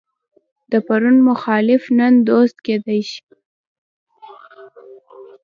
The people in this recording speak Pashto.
د پرون مخالف نن دوست کېدای شي.